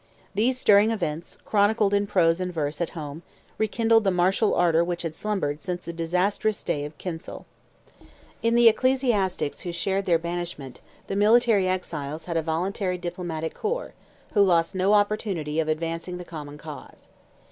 These stirring events, chronicled in prose and verse at home, rekindled the martial ardour which had slumbered since the disastrous day of Kinsale. In the ecclesiastics who shared their banishment, the military exiles had a voluntary diplomatic corps who lost no opportunity of advancing the common cause.